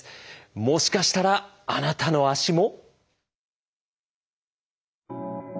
もしかしたらあなたの足も。